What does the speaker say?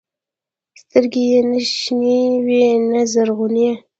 سترګې يې نه شنې وې نه زرغونې.